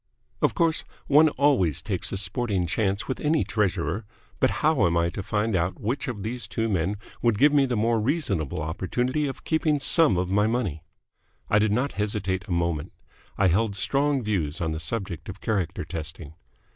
Of course, one always takes a sporting chance with any treasurer; but how am I to find out which of these two men would give me the more reasonable opportunity of keeping some of my money?" I did not hesitate a moment. I held strong views on the subject of character testing.